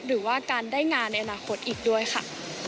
หรือว่าการได้งานในอนาคตอีกด้วยค่ะ